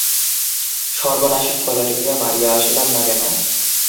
সর্বনাশীকে গলা টিপিয়া মারিয়া আসিলাম না কেন।